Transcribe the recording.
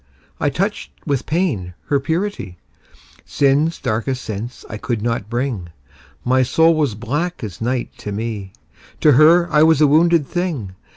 I touched with pain her purity; Sin's darker sense I could not bring: My soul was black as night to me: To her I was a wounded thing.